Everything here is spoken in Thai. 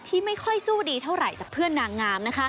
ไม่ค่อยสู้ดีเท่าไหร่จากเพื่อนนางงามนะคะ